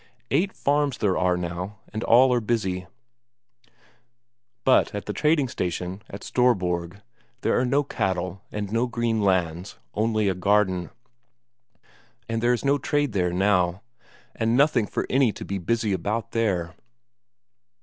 Eight farms there are now and all are busy; but at the trading station, at Storborg, there are no cattle, and no green lands, only a garden. And there is no trade there now, and nothing for any to be busy about there.